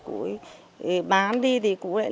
của bán đi thì cụ lại lấy ra